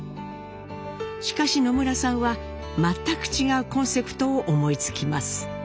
しかし野村さんは全く違うコンセプトを思いつきます。